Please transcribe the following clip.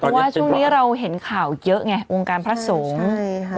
เพราะว่าช่วงนี้เราเห็นข่าวเยอะไงภรรยาสมรเรศวงการพระสงฆ์ใช่